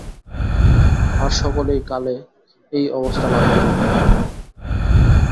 আর সকলেই কালে এই অবস্থা লাভ করিবে।